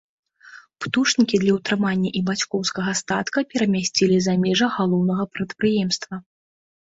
Птушнікі для ўтрымання і бацькоўскага статка перамясцілі за межы галаўнога прадпрыемства.